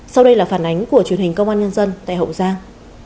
sau đây là phản ánh của truyền hình công an nhân dân tại hậu giang